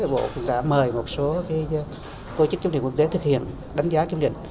bộ cũng đã mời một số cái cơ chức kiểm định quốc tế thực hiện đánh giá kiểm định